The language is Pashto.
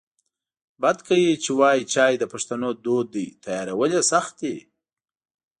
بد کوي چې وایې چای د پښتنو دود دی تیارول یې سخت دی